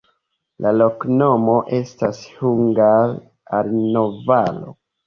La loknomo estas hungare: alno-valo.